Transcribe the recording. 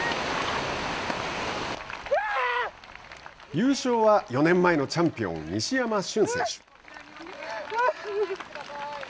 優勝は４年前のチャンピオン西山俊選手。